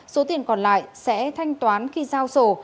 số tiền còn lại sẽ thanh toán khi giao sổ